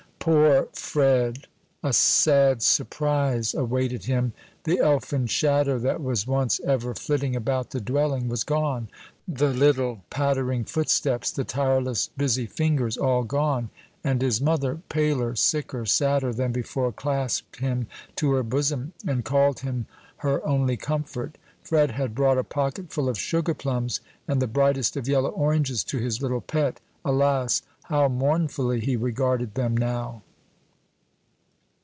Poor Fred! a sad surprise awaited him. The elfin shadow that was once ever flitting about the dwelling was gone; the little pattering footsteps, the tireless, busy fingers, all gone! and his mother, paler, sicker, sadder than before, clasped him to her bosom, and called him her only comfort. Fred had brought a pocket full of sugar plums, and the brightest of yellow oranges to his little pet; alas! how mournfully he regarded them now!